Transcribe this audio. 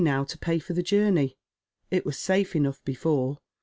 now to pay for the journey. It was safe enonsfli before.